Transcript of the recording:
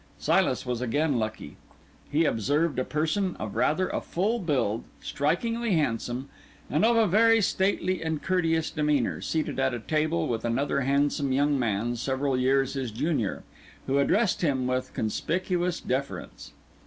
Silas was again lucky. He observed a person of rather a full build, strikingly handsome, and of a very stately and courteous demeanour, seated at table with another handsome young man, several years his junior, who addressed him with conspicuous deference.